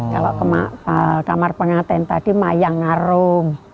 kalau kamar pengantin tadi mayang arum